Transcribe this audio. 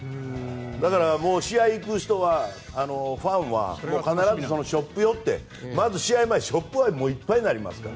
なので試合に行くファンは必ずショップに寄って試合前にショップはいっぱいになりますから。